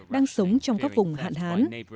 đang sống trong các vùng hạn hán